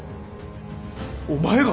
お前が！？